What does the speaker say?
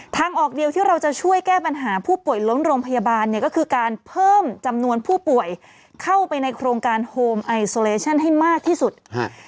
ทางออกเดียวที่เราจะช่วยแก้ปัญหาผู้ป่วยล้นโรงพยาบาลเนี่ยก็คือการเพิ่มจำนวนผู้ป่วยเข้าไปในโครงการโฮมไอโซเลชั่นให้มากที่สุดฮะ